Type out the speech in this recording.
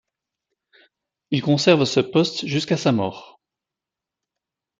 Il conserve ce poste jusqu'à sa mort.